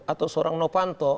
atau seorang novanto